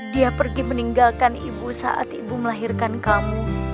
dia pergi meninggalkan ibu saat ibu melahirkan kamu